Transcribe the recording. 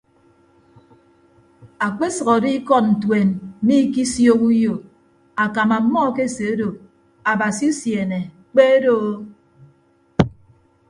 Akpesʌk odo ikọd ntuen mmiikisiooho uyo akam ọmmọ akeseedo abasi usiene kpe doo.